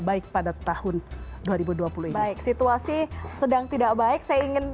baik pada tahun dua ribu dua puluh ini baik situasi sedang tidak baik saya ingin